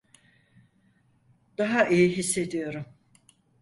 Daha iyi hissediyorum.